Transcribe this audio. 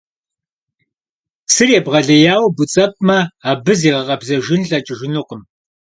Псыр ебгъэлейуэ буцӀэпӀмэ, абы зигъэкъэбзэжын лъэкӀыжынукъым.